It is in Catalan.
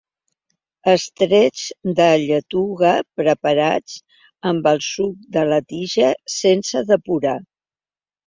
Extrets de lletuga preparats amb el suc de la tija, sense depurar.